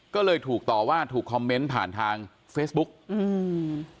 ก็เลยถูกต่อว่าถูกคอมเมนต์ผ่านทางเฟซบุ๊กอืม